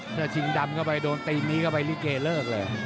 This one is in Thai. ถ้าชิงดำก็ไปโดนตีนี้ก็ไปริเกกเลิกเลย